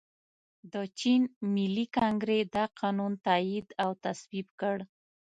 د چین ملي کنګرې دا قانون تائید او تصویب کړ.